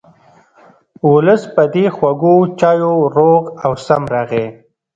ولس په دې خوږو چایو روغ او سم راغی.